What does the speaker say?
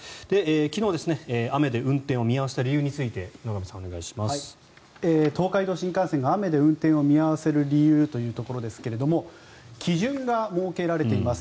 昨日、雨で運転を見合わせた理由について東海道新幹線が雨で運転を見合わせる理由というところですが基準が設けられています。